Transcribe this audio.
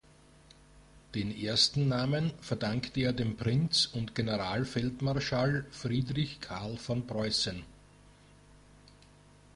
Den ersten Namen verdankte er dem Prinz und Generalfeldmarschall Friedrich Karl von Preußen.